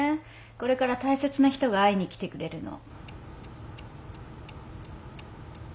これから大切な人が会いに来てくれるの。